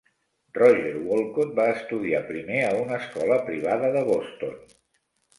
Roger Wolcott va estudiar primer a una escola privada de Boston.